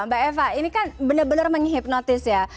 mbak eva ini kan benar benar menghipnotis ya